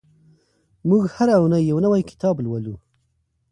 موږ هره اونۍ یو نوی کتاب لولو.